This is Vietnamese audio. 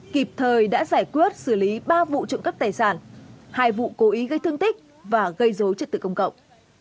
kịp thời đã giải quyết xử lý ba vụ trụng cấp tài sản hai vụ cố ý gây thương tích và gây dối trực tự công cộng